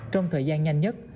trong thời gian nhanh nhất